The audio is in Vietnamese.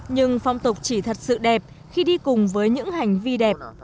nhưng phong tục chỉ thật sự đẹp khi đi cùng với những hành vi đẹp